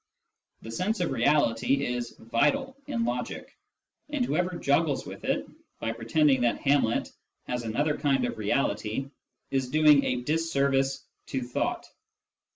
The sense of reality is vital in logic, and whoever juggles with it by pretending that Hamlet has another kind of reality is doing a disservice to thought.